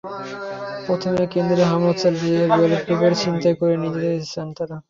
প্রথমে কেন্দ্রে হামলা চালিয়ে ব্যালট পেপার ছিনতাই করে নিয়ে যায় তারা।